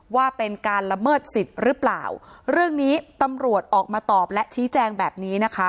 ว่าเป็นการละเมิดสิทธิ์หรือเปล่าเรื่องนี้ตำรวจออกมาตอบและชี้แจงแบบนี้นะคะ